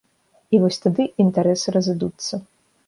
І вось тады інтарэсы разыдуцца.